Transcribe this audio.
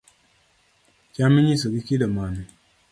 Cham inyiso gi kido mane